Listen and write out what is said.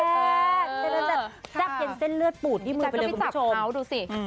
แซ่บเย็นเส้นเลือดปูดที่มือไปเลยคุณผู้ชม